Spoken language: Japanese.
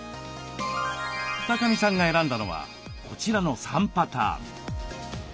二神さんが選んだのはこちらの３パターン。